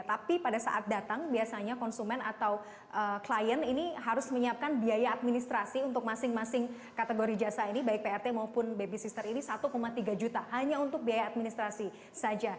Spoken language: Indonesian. tapi pada saat datang biasanya konsumen atau klien ini harus menyiapkan biaya administrasi untuk masing masing kategori jasa ini baik prt maupun babysitter ini satu tiga juta hanya untuk biaya administrasi saja